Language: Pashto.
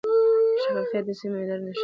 شفافیت د سمې ادارې نښه ده.